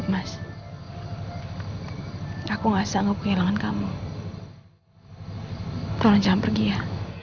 tolong jangan pergi ya